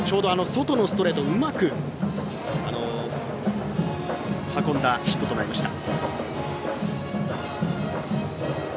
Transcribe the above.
外のストレートをうまく運んだヒットとなりました。